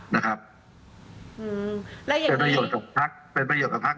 และเหมือนประโยชน์กับพัก